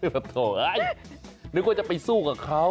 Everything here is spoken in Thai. แบบโถเอ้ยนึกว่าจะไปสู้กับเขา